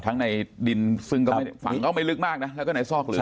ทั้งในดินฝั่งก็ไม่ลึกมากนะแล้วก็ในซอก